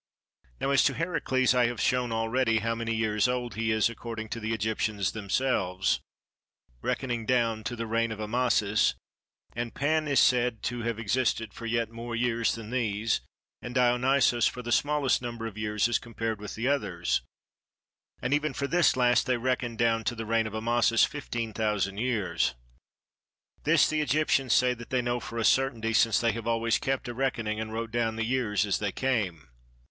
Now as to Heracles I have shown already how many years old he is according to the Egyptians themselves, reckoning down to the reign of Amasis, and Pan is said to have existed for yet more years than these, and Dionysos for the smallest number of years as compared with the others; and even for this last they reckon down to the reign of Amasis fifteen thousand years. This the Egyptians say that they know for a certainty, since they always kept a reckoning and wrote down the years as they came.